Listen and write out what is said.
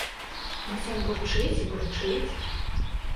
Вось ён бурчыць і бурчыць.